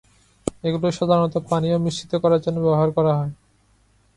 এগুলো সাধারণত পানীয় মিশ্রিত করার জন্য ব্যবহার করা হয়।